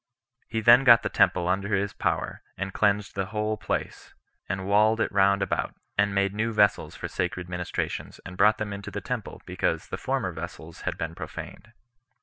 He then got the temple under his power, and cleansed the whole place, and walled it round about, and made new vessels for sacred ministrations, and brought them into the temple, because the former vessels had been profaned.